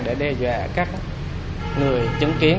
để đe dọa các người chứng kiến